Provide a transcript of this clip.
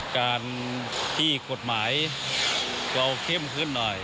การที่กฎหมายเราเข้มขึ้นหน่อย